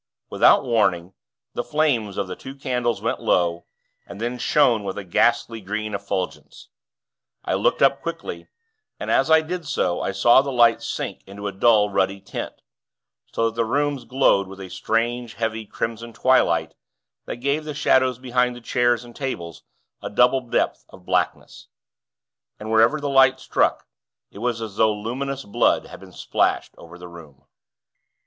Without warning, the flames of the two candles went low, and then shone with a ghastly green effulgence. I looked up, quickly, and as I did so I saw the lights sink into a dull, ruddy tint; so that the room glowed with a strange, heavy, crimson twilight that gave the shadows behind the chairs and tables a double depth of blackness; and wherever the light struck, it was as though luminous blood had been splashed over the room.